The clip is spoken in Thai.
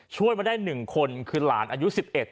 ช่วยมาได้หนึ่งคนคือหลานอายุสิบเอ็ด